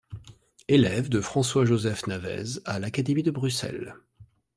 Élève de François-Joseph Navez à l'académie de Bruxelles.